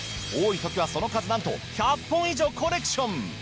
多い時はその数なんと１００本以上コレクション！